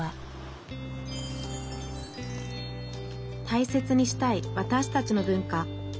大切にしたいわたしたちの文化。